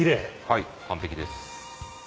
はい完璧です。